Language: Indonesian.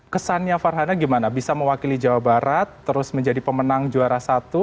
kesannya farhana gimana bisa mewakili jawa barat terus menjadi pemenang juara satu